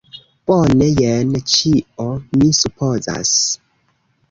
Bone, jen ĉio mi supozas!